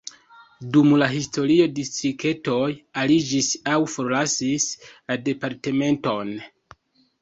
Dum la historio distriktoj aliĝis aŭ forlasis la departementon.